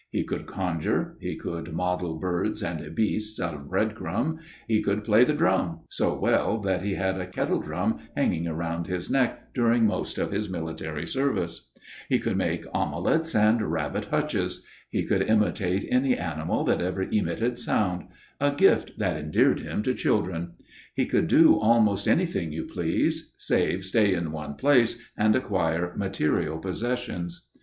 He could conjure; he could model birds and beasts out of breadcrumb; he could play the drum so well that he had a kettle drum hanging round his neck during most of his military service; he could make omelettes and rabbit hutches; he could imitate any animal that ever emitted sound a gift that endeared him to children; he could do almost anything you please save stay in one place and acquire material possessions.